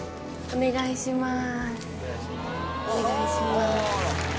お願いします